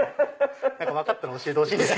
分かったら教えてほしいです。